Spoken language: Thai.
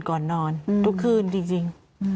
ก่อนนอนทุกคืนจริง